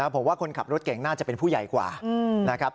ผมว่าคนขับรถเก่งน่าจะเป็นผู้ใหญ่กว่านะครับ